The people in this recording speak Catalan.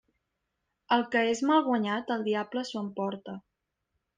El que és mal guanyat, el diable s'ho emporta.